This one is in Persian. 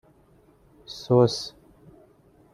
سس